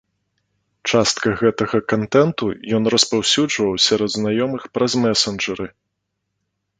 Частка гэтага кантэнту ён распаўсюджваў сярод знаёмых праз месенджары.